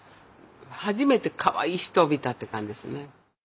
初めてかわいい人を見たって感じですね。